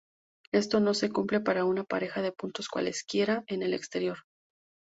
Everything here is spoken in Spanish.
Esto no se cumple para una pareja de puntos cualesquiera en el exterior.